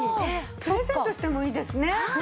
プレゼントしてもいいですね。